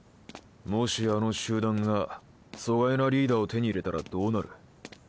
もしあの集団がそえなリーダーを手に入れたらどうなる？